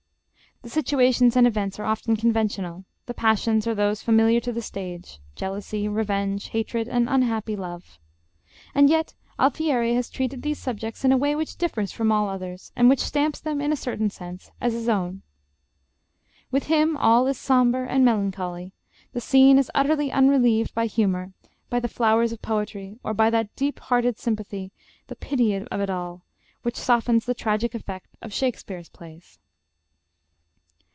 The situations and events are often conventional; the passions are those familiar to the stage, jealousy, revenge, hatred, and unhappy love. And yet Alfieri has treated these subjects in a way which differs from all others, and which stamps them, in a certain sense, as his own. With him all is sombre and melancholy; the scene is utterly unrelieved by humor, by the flowers of poetry, or by that deep hearted sympathy the pity of it all which softens the tragic effect of Shakespeare's plays.